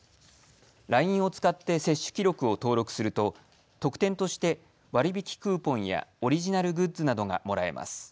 ＬＩＮＥを使って接種記録を登録すると特典として割引クーポンやオリジナルグッズなどがもらえます。